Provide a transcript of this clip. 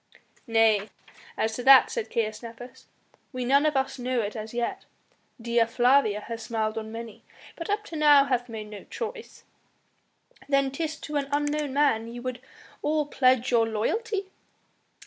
"Nay, as to that," said Caius Nepos, "we none of us know it as yet! Dea Flavia has smiled on many, but up to now hath made no choice." "Then 'tis to an unknown man ye would all pledge your loyalty?"